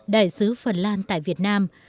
đại sứ phần lan tại việt nam